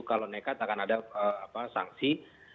kalau nekat akan ada sanksi